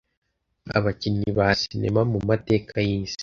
abakinnyi ba sinema mu mateka y’isi